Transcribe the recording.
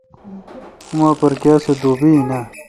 اوما پر کیا سُو دوبی این آں؟